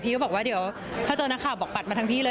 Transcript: ก็บอกว่าเดี๋ยวถ้าเจอนักข่าวบอกปัดมาทั้งที่เลย